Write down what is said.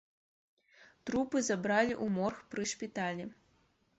Трупы забралі ў морг пры шпіталі.